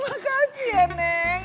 makasih ya neng